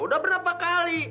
udah berapa kali